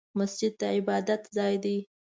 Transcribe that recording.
مسجد د عبادت ځای دی